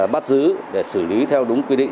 bắt giữ để xử lý theo đúng quy định